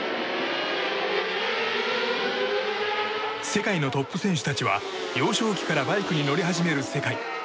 世界のトップ選手たちは幼少期からバイクに乗り始める世界。